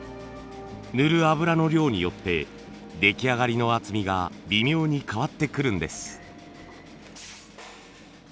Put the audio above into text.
塗る油の量によって出来上がりの厚みが微妙に変わってくるんです。